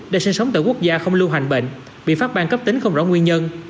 đang sinh sống tại quốc gia không lưu hành bệnh bị phát bang cấp tính không rõ nguyên nhân